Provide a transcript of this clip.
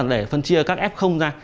để phân chia các f ra